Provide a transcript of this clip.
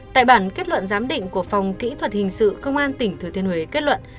tại bản kết luận giám định của phòng kỹ thuật hình sự công an tỉnh thừa thiên huế kết luận